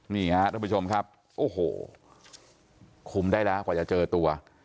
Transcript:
นี่ค่ะทุกผู้ชมครับขุมได้แล้วกว่าจะเจอตัว